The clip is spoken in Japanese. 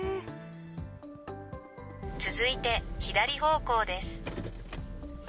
続いて左方向です。